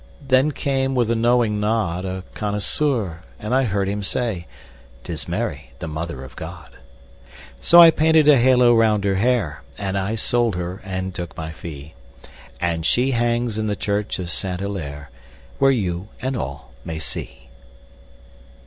Then came, with a knowing nod, A connoisseur, and I heard him say; "'Tis Mary, the Mother of God." So I painted a halo round her hair, And I sold her and took my fee, And she hangs in the church of Saint Hillaire, Where you and all may see.